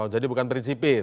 jadi bukan prinsipi